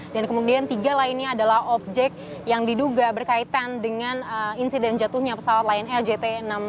dan kemudian tiga lainnya adalah objek yang diduga berkaitan dengan insiden jatuhnya pesawat lion air jt enam ratus sepuluh